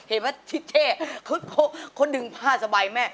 เห็นไหมที่เจเขาดึงผ้าสบายแม่